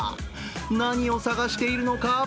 何を探しているのか？